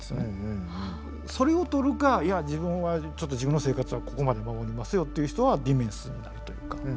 それを取るかいや自分はちょっと自分の生活はここまで守りますよっていう人はディメンスになるというか。